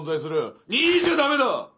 ２位じゃダメだ！